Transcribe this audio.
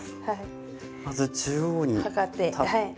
まず中央に立って。